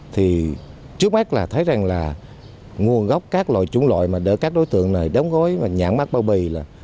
trước mắt thấy rằng nguồn gốc các loại chúng loại để các đối tượng này đóng gói nhãn mát bao bì